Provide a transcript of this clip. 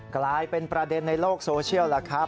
กลายเป็นประเด็นในโลกโซเชียลล่ะครับ